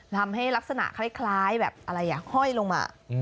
ทำให้ลักษณะคล้ายแบบอะไรห้อยลงมา